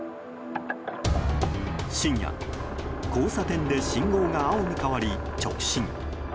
深夜、交差点で信号が青に変わり直進。